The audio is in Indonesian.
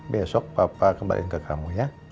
besok papa kembali ke kamu ya